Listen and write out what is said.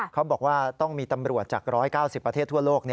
เขาบอกว่าต้องมีตำรวจจาก๑๙๐ประเทศทั่วโลก